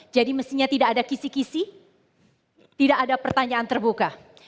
jadi mestinya tidak ada kisi kisi tidak ada pertanyaan terbuka